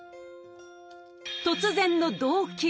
突然の動悸。